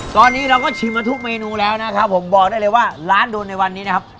ตอนนี้เราก็ชิมมาทุกเมนูแล้วนะครับผมบอกได้เลยว่าร้านโดนในวันนี้นะครับ